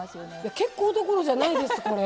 結構どころじゃないですこれ。